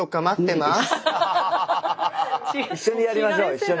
一緒にやりましょう一緒に。